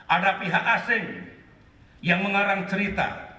ada pihak asing yang mengarang cerita